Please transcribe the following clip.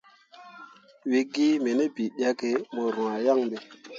We ge me ne biɗǝkke mor rwah yan be.